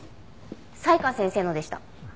才川先生のでした。